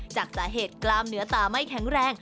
จากสาเหตุกล้ามเนื้อตาไม่แข็งแรง